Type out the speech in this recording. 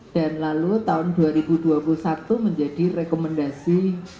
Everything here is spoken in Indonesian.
dan lalu tahun dua ribu dua puluh satu menjadi rekomendasi